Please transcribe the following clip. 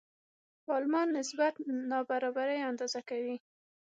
پالما نسبت نابرابري اندازه کوي.